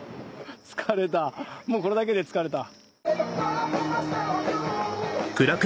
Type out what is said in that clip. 疲れたもうこれだけで疲れた。